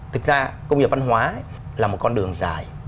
thực ra công nghiệp văn hóa là một con đường dài